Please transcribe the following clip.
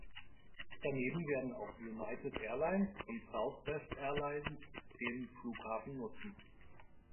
Daneben werden auch United Airlines und Southwest Airlines den Flughafen nutzen.